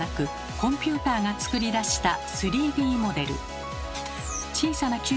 コンピューターが作り出した３Ｄモデル。